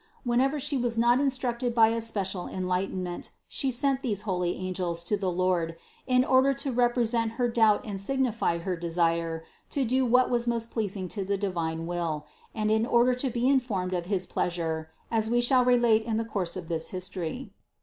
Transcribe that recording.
Whenever She was not instructed by a special enlightenment, She sent these holy angels to the Lord in order to represent her doubt and signify her desire to do what was most pleasing to the divine will, and in order to be informed of his pleas ure, as we shall relate in the course of this history.